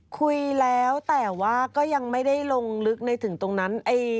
คุยแล้วแต่ว่าก็ยังไม่ได้ลงลึกในถึงตรงนั้น